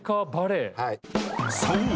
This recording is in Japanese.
［そう。